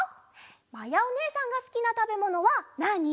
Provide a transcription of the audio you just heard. まやおねえさんがすきなたべものはなに？